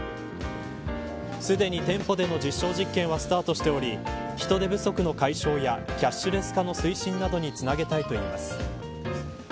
すでに店舗での実証実験はスタートしており人手不足の解消やキャッシュレス化の推進などにつなげたいと言います。